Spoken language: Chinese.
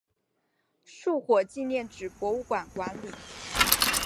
树火纪念纸博物馆管理。